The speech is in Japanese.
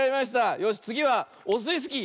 よしつぎはオスイスキー。